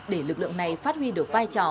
để lực lượng này phát huy được vai trò